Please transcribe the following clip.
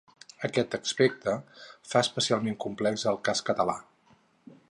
Aquest aspecte fa especialment complex el cas català.